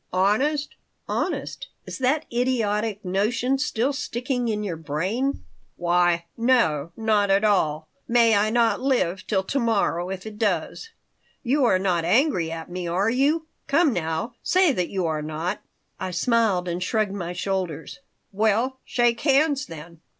"Honest?" "Honest! Is that idiotic notion still sticking in your brain?" "Why, no. Not at all. May I not live till to morrow if it does. You are not angry at me, are you? Come, now, say that you are not." I smiled and shrugged my shoulders "Well, shake hands, then."